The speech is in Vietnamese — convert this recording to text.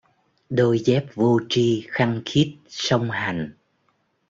Đôi dép vô tri khăng khít song hành